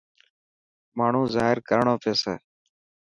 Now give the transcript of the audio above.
ماڻهو زاهر ڪرڻو پيسي.